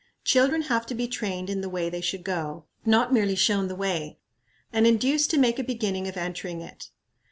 Children have to be trained in the way they should go not merely shown the way, and induced to make a beginning of entering it.